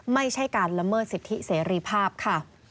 ไม่ใช่การละเมิดสิทธิเสรีภาพค่ะ